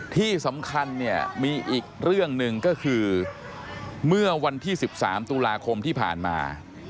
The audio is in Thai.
ที่สำคัญเนี่ยมีอีกเรื่องหนึ่งก็คือเมื่อวันที่๑๓ตุลาคมที่ผ่านมา